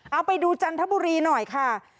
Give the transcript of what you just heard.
เอาไปดูจันทบุรีหน่อยค่ะ